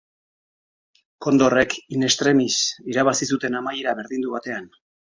Kondorrek in extremis irabazi zuten amaiera berdindu batean.